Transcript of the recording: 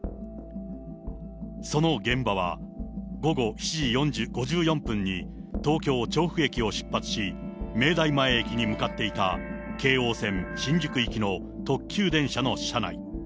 その現場は、午後７時５４分に東京・調布駅を出発し、明大前駅に向かっていた京王線新宿行きの特急電車の車内。